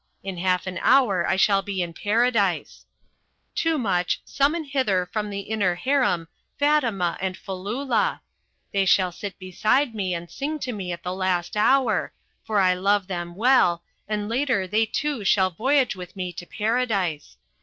In half an hour I shall be in paradise. Toomuch, summon hither from the inner harem Fatima and Falloola; they shall sit beside me and sing to me at the last hour, for I love them well, and later they too shall voyage with me to paradise.